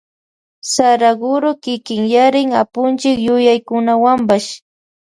Saraguro kikinyarin Apunchik yuyaykunawanpash.